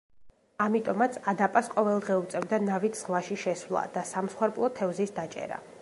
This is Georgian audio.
ამიტომაც ადაპას ყოველდღე უწევდა ნავით ზღვაში შესვლა და სამსხვერპლო თევზის დაჭერა.